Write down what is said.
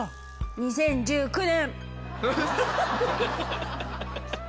２０１９年？